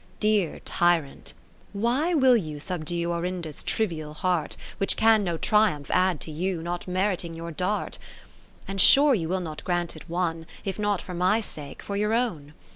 Dear Tyrant, why will you subdue Orinda's trivial heart. Which can no triumph add to you. Not meriting your dart ? 10 And sure you will not grant it one, If not for my sake, for your own.